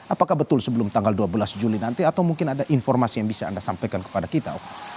apakah betul sebelum tanggal dua belas juli nanti atau mungkin ada informasi yang bisa anda sampaikan kepada kita